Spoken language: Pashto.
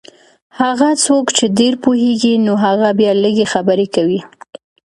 هغه څوک چې ډېر پوهېږي نو هغه بیا لږې خبرې کوي.